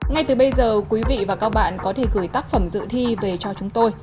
ngay từ bây giờ quý vị và các bạn có thể gửi tác phẩm dự thi về cho chúng tôi